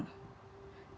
tidak mudah memang